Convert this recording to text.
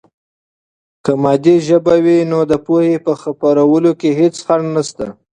که مادي ژبه وي، نو د پوهې په خپرولو کې هېڅ خنډ نسته.